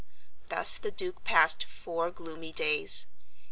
Thus the Duke passed four gloomy days.